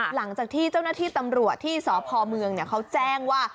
หลังจากที่เจ้าหน้าที่ตำรวจที่สพเมืองเขาแจ้งว่า